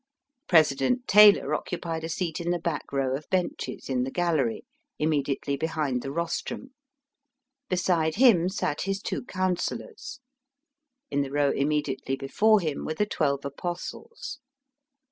President Taylor occupied a seat in the back row of benches in the gallery im mediately behind the rostrum. Beside him sat his two counsellors. In the row immediately before him were the Twelve Apostles.